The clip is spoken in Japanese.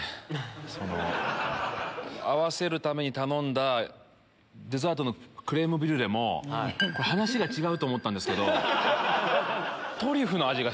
合わせるために頼んだデザートのクレームブリュレも話が違うと思ったんですけど。